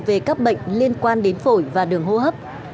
về các bệnh liên quan đến phổi và đường hô hấp